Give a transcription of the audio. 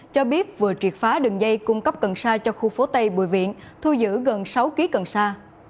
cho biết vừa triệt phá đường dây cung cấp cần sa cho khu phố tây bội viện thu giữ gần sáu kg cần sa